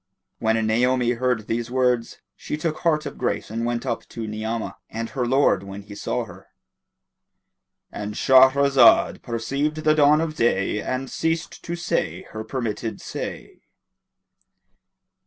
When Naomi heard these words, she took heart of grace and went up to Ni'amah; and her lord when he saw her.—And Shahrazad perceived the dawn of day and ceased to say her permitted say.